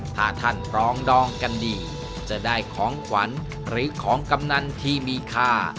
ถ้าท่านรองดองกันดีจะได้ของขวัญหรือของกำนันที่มีค่า